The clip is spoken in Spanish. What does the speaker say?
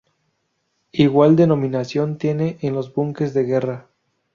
Igual denominación tiene en los buques de guerra.